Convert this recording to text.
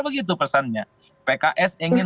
begitu pesannya pks ingin